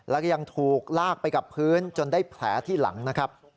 แล้วก็ยังถูกลากไปกับพื้นจนได้แผลที่หลังนะครับ